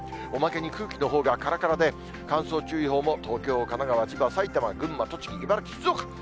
おまけに空気のほうがからからで、乾燥注意報も東京、神奈川、千葉、埼玉、群馬、栃木、茨城、静岡。